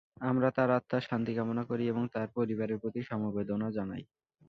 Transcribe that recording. আমরা তঁার আত্মার শান্তি কামনা করি এবং তঁার পরিবারের প্রতি সমবেদনা জানাই।